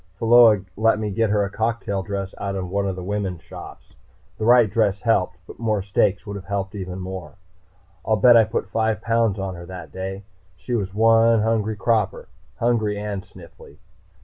Pheola let me get her a cocktail dress in one of the women's shops. The right dress helped, but more steaks would have helped even more. I'll bet I put five pounds on her that day. She was one hungry 'cropper. Hungry and sniffly.